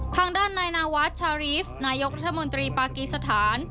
ทางด้านนายนาวัดชารีฟนายกรัฐมนตรีปากีสถาน